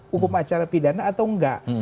hukum acara pidana atau enggak